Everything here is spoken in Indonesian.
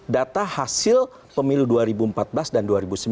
data hasil pemilu dua ribu empat belas dan dua ribu sembilan belas